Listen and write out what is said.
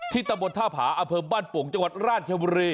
ที่ตะบดท่าผาอเภิมบ้านปงจังหวัดราชเทียบุรี